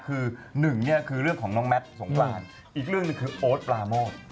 คือหนึ่งเนี่ยคือเรื่องของน้องแมทสงกรานอีกเรื่องหนึ่งคือโอ๊ตปลาโมด